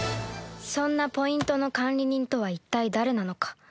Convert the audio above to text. そんなポイントの管理人とは一体誰なのか？